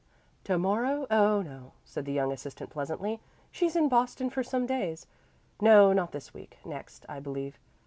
"To morrow? Oh no," said the young assistant pleasantly. "She's in Boston for some days. No, not this week; next, I believe.